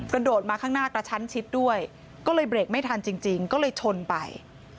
โดดมาข้างหน้ากระชั้นชิดด้วยก็เลยเบรกไม่ทันจริงก็เลยชนไป